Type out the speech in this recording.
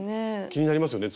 気になりますよね